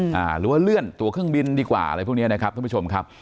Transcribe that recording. หรือว่าเลื่อนตัวเครื่องบินดีกว่าอะไรพวกเนี้ยนะครับท่านผู้ชมครับ